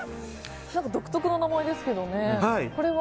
独特な名前ですけどね。